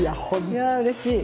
いやうれしい。